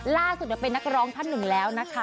ล่าสุดเป็นนักร้องท่านหนึ่งแล้วนะคะ